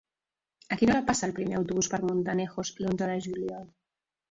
A quina hora passa el primer autobús per Montanejos l'onze de juliol?